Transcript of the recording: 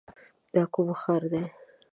دا کوم ښار دی؟